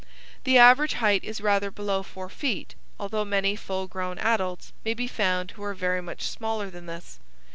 The average height is rather below four feet, although many full grown adults may be found who are very much smaller than this.